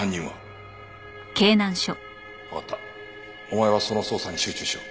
お前はその捜査に集中しろ。